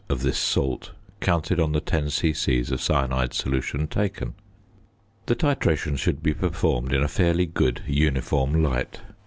of this salt counted on the 10 c.c. of cyanide solution taken. The titration should be performed in a fairly good uniform light.